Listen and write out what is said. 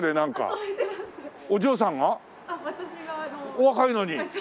お若いのに。